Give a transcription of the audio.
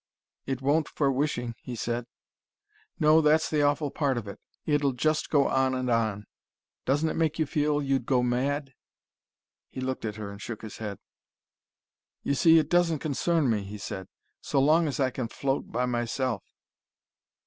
"It won't, for wishing," he said. "No, that's the awful part of it. It'll just go on and on Doesn't it make you feel you'd go mad?" He looked at her and shook his head. "You see it doesn't concern me," he said. "So long as I can float by myself."